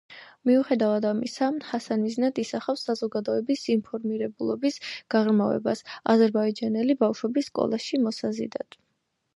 მიუხედავად ამისა, ჰასან მიზნად ისახავს საზოგადოების ინფორმირებულობის გაღრმავებას აზერბაიჯანული ბავშვების სკოლაში მოსაზიდად.